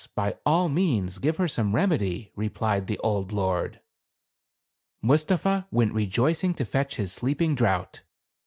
by all means give her some remedy," replied the old lord. Mustapha went rejoicing to fetch his sleeping draught.